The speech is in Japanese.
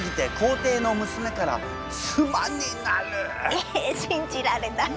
え信じられない！